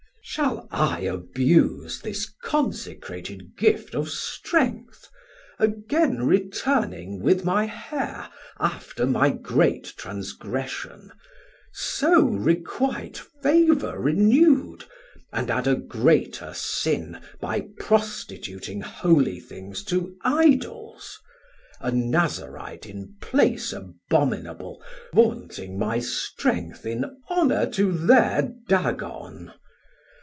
Sam: Shall I abuse this Consecrated gift Of strength, again returning with my hair After my great transgression, so requite Favour renew'd, and add a greater sin By prostituting holy things to Idols; A Nazarite in place abominable Vaunting my strength in honour to thir Dagon?